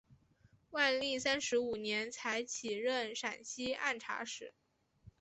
万历三十五年才起任陕西按察使。